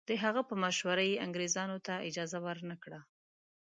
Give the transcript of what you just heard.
د هغه په مشوره یې انګریزانو ته اجازه ورنه کړه.